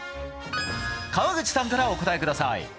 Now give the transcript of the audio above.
川口さんからお答えください。